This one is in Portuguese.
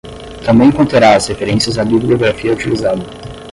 Também conterá as referências à bibliografia utilizada.